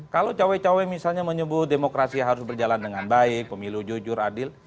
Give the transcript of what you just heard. kalau cawe cawe misalnya menyebut demokrasi harus berjalan dengan baik pemilu jujur adil